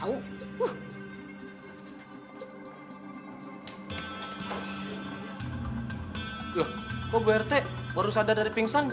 loh kok brt baru sadar dari pingsan